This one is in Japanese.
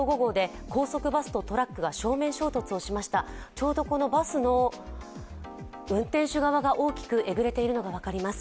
ちょうどバスの運転手側が大きくえぐれているのが分かります。